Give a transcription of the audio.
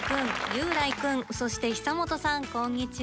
雄大くんそして久本さんこんにちは。